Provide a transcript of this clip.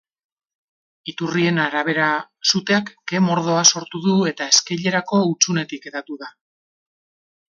Iturrien arabera, suteak ke-mordoa sortu du eta eskailerako hutsunetik hedatu da.